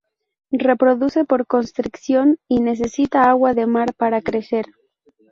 Reproduce por constricción, y necesita agua de mar para crecer.